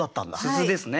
「鈴」ですね。